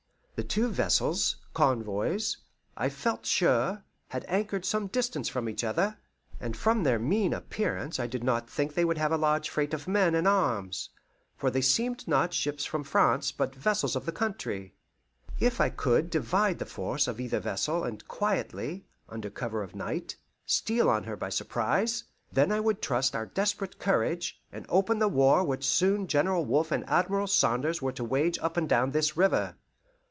The two vessels convoys, I felt sure had anchored some distance from each other, and from their mean appearance I did not think that they would have a large freight of men and arms; for they seemed not ships from France, but vessels of the country. If I could divide the force of either vessel, and quietly, under cover of night, steal on her by surprise, then I would trust our desperate courage, and open the war which soon General Wolfe and Admiral Saunders were to wage up and down this river.